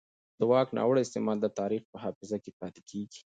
د واک ناوړه استعمال د تاریخ په حافظه کې پاتې کېږي